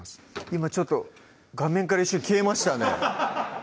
今ちょっと画面から一瞬消えましたね